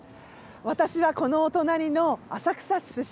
私はこのお隣の浅草出身。